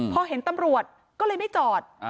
พอเห็นตำรวจก็เลยไม่จอด